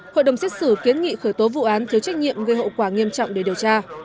hội đồng xét xử kiến nghị khởi tố vụ án thiếu trách nhiệm gây hậu quả nghiêm trọng để điều tra